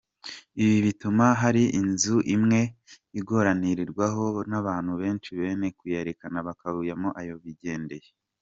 Ibi bituma hari inzu imwe igoganirwaho n’abantu benshi bene kuyerekana bakuyemo ayabo bigendeye.